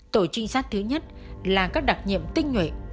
tổ trinh sát thứ nhất là các đặc nhiệm tinh nhuệ